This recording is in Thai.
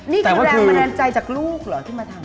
นี่คือแรงบันดาลใจจากลูกเหรอที่มาทำ